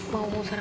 mau sarapan gak